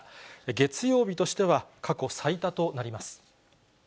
月曜日としては過去最多となります。